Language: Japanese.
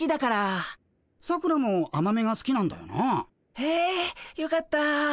へえよかった。